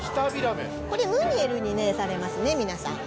これ、ムニエルにされますね、皆さん。